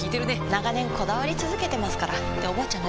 長年こだわり続けてますからっておばあちゃん